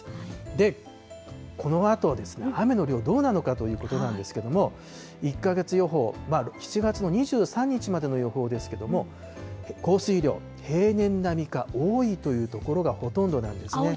で、このあとですね、雨の量、どうなのかということですが、１か月予報、７月の２３日までの予報ですけれども、降水量、平年並みか多いという所がほとんどなんですね。